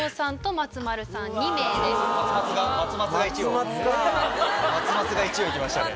松松が１を行きましたね。